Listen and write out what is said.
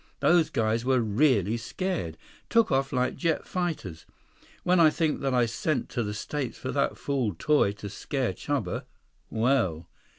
Those guys were really scared. Took off like jet fighters. When I think that I sent to the States for that fool toy to scare Chuba, well...."